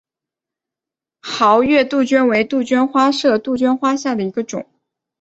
皋月杜鹃为杜鹃花科杜鹃花属下的一个种。